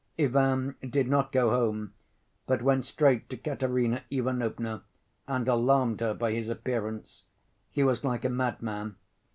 Ivan did not go home, but went straight to Katerina Ivanovna and alarmed her by his appearance. He was like a madman.